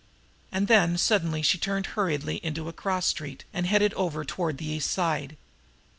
And then suddenly she turned hurriedly into a cross street, and headed over toward the East Side.